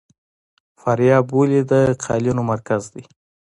فاریاب ولې د قالینو مرکز دی؟